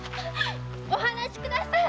お放しください！